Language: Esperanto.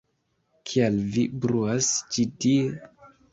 Kial vi bruas ĉi tie?!